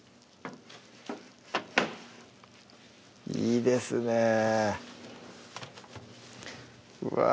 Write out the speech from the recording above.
いいですねうわ